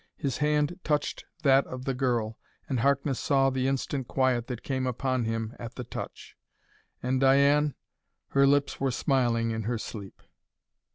His hand touched that of the girl, and Harkness saw the instant quiet that came upon him at the touch. And Diane her lips were smiling in her sleep.